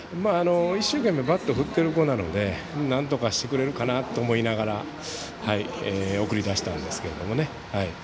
一生懸命バット振っている子なのでなんとかしてくれるかなと思いながら送り出したんですけど。